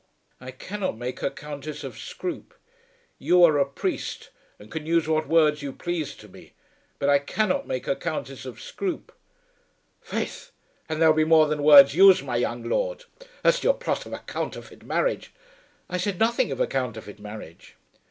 "I cannot make her Countess of Scroope. You are a priest, and can use what words you please to me; but I cannot make her Countess of Scroope." "Faith, and there will be more than words used, my young lord. As to your plot of a counterfeit marriage, " "I said nothing of a counterfeit marriage."